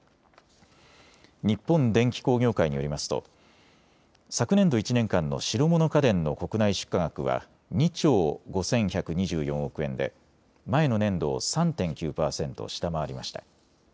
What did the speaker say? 日本電機工業会によりますと昨年度１年間の白物家電の国内出荷額は２兆５１２４億円で前の年度を３．９％下回りました。